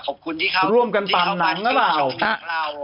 ขอบคุณที่เข้ามาดีกว่าร่วมกันปั่นหนังหรือเปล่า